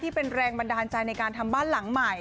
เป็นแรงบันดาลใจในการทำบ้านหลังใหม่